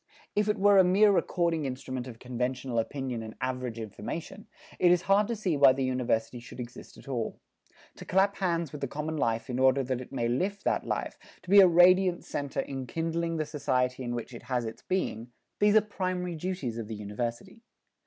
If it were a mere recording instrument of conventional opinion and average information, it is hard to see why the University should exist at all. To clasp hands with the common life in order that it may lift that life, to be a radiant center enkindling the society in which it has its being, these are primary duties of the University.